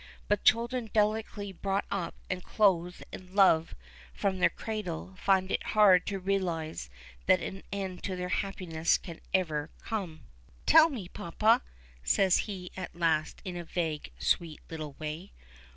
But children delicately brought up and clothed in love from their cradle find it hard to realize that an end to their happiness can ever come. "Tell me, papa!" says he at last in a vague, sweet little way.